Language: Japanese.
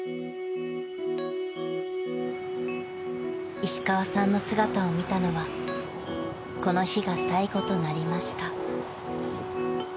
［石川さんの姿を見たのはこの日が最後となりました］